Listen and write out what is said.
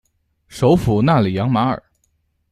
首府纳里扬马尔。